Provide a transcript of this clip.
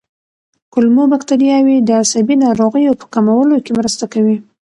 کولمو بکتریاوې د عصبي ناروغیو په کمولو کې مرسته کوي.